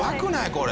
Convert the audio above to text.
これ。